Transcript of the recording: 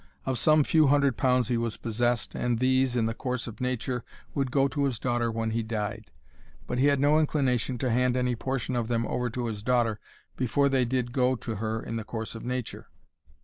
Of some few hundred pounds he was possessed, and these, in the course of nature, would go to his daughter when he died; but he had no inclination to hand any portion of them over to his daughter before they did go to her in the course of nature.